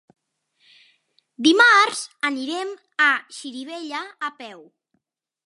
Dimarts anirem a Xirivella a peu.